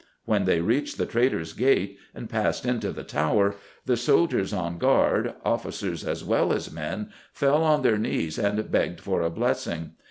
When they reached the Traitor's Gate and passed into the Tower, the soldiers on guard, officers as well as men, fell on their knees and begged for a blessing.